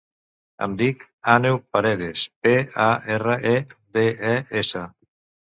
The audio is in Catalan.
Em dic Àneu Paredes: pe, a, erra, e, de, e, essa.